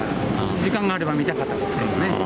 時間があれば見たかったですけどね。